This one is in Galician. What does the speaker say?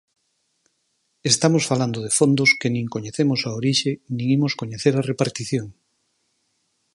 Estamos falando de fondos que nin coñecemos a orixe nin imos coñecer a repartición.